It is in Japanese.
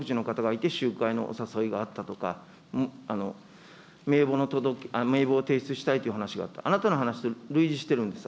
相手の窓口の方がいて、集会のお誘いがあったとか、名簿を提出したいという話があった、あなたの話と類似してるんです。